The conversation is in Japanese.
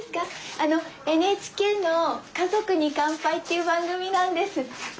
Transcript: あのＮＨＫの「家族に乾杯」っていう番組なんです。